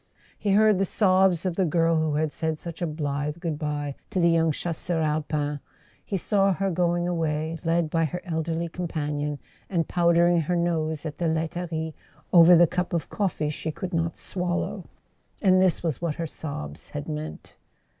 He heard the sobs of the girl who had said such a blithe goodbye to the young Chasseur Alpin , he saw her going away, led by her elderly companion, and powdering her nose at the laiterie over the cup of coffee she could not swallow. And this was what her sobs had meant.